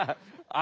あ！